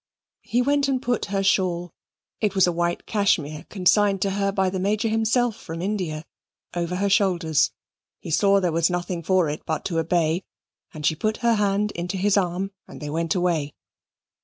He went and put her shawl it was a white cashmere, consigned to her by the Major himself from India over her shoulders. He saw there was nothing for it but to obey, and she put her hand into his arm, and they went away.